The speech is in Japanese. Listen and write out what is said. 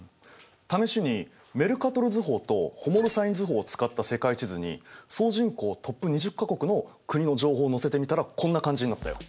試しにメルカトル図法とホモロサイン図法を使った世界地図に総人口トップ２０か国の国の情報を載せてみたらこんな感じになったよ。